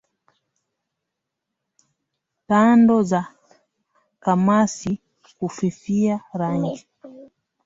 Tando za kamasi kufifia rangi